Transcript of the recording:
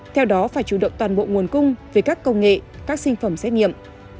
theo đó phải chủ động toàn bộ nguồn cung về các công nghệ các sinh phẩm xét nghiệm